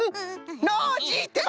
ノージーってば！